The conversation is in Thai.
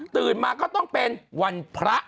ตื่นมาก็ต้องเป็นวันพระ